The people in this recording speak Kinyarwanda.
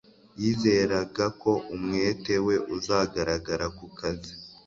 Yizeraga ko umwete we uzagaragara ku kazi